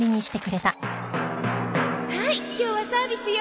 はい今日はサービスよ。